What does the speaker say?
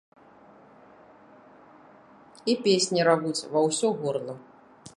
І песні равуць ва ўсё горла.